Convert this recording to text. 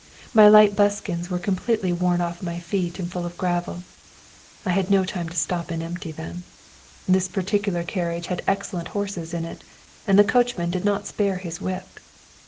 My light buskins were completely worn off my feet and full of gravel. I had no time to stop and empty them. This particular carriage had excellent horses in it, and the coachman did not spare his whip.